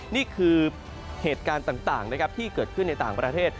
นี่คือเหตุการณ์ต่างนะครับที่เกิดขึ้นในต่างประเทศ